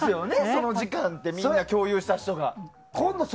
その時間をみんな共有した人たちは。